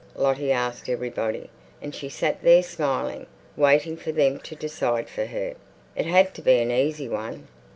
Lottie asked everybody, and she sat there smiling, waiting for them to decide for her. It had to be an easy one.